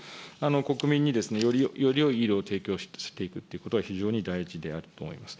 国民によりよい医療を提供していくということが非常に大事であると思います。